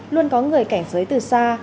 luôn có người cảnh giới từ xa